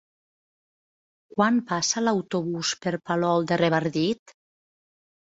Quan passa l'autobús per Palol de Revardit?